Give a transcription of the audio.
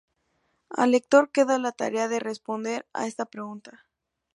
Al lector queda la tarea de responder a esta pregunta.